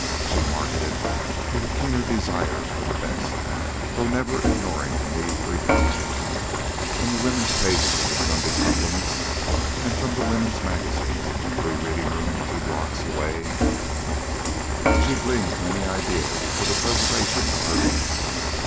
She marketed with a keener desire for the best, though never ignoring the need for economy. From the women's pages of the Sunday supplements, and from the women's magazines in the free reading room two blocks away, she gleaned many ideas for the preservation of her looks.